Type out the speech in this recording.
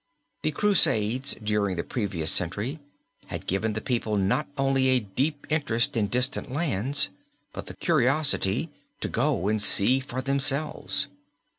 The Crusades during the previous century had given the people not only a deep interest in distant lands, but the curiosity to go and see for themselves.